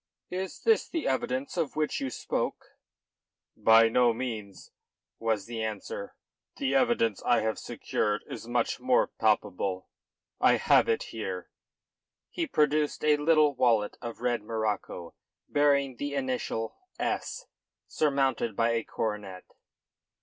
"Is this the evidence of which you spoke?" "By no means," was the answer. "The evidence I have secured is much more palpable. I have it here." He produced a little wallet of red morocco bearing the initial "S" surmounted by a coronet.